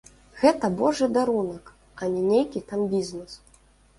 Гэта божы дарунак, а не нейкі там бізнэс.